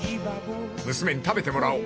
［娘に食べてもらおう］